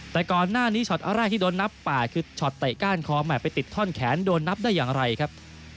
แต่ก่อนหน้านี้ช็อตแรกที่โดนนับ๘คือช็อตเตะก้านคอแมทไปติดท่อนแขนโดนนับได้อย่างไรครับ